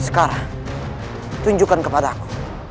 sekarang tunjukkan kepada aku